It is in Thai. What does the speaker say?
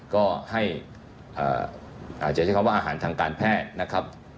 ก็ให้อาหารทางการแพทย์นะครับ